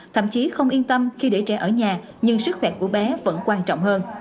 thậm chí không yên tâm khi để trẻ ở nhà nhưng sức khỏe của bé vẫn quan trọng hơn